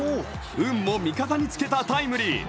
運も味方につけたタイムリー